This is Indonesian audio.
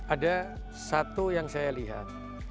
ada satu yang saya lihat